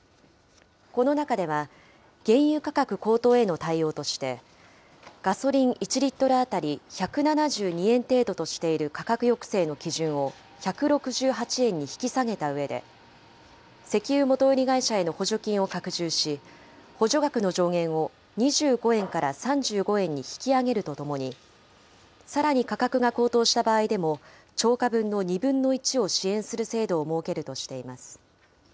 この中では、原油価格高騰への対応として、ガソリン１リットル当たり１７２円程度としている価格抑制の基準を、１６８円に引き下げたうえで、石油元売り会社への補助金を拡充し、補助額の上限を２５円から３５円に引き上げるとともに、さらに価格が高騰した場合でも、超過分の２分の１を支援する制度を設けるとしています。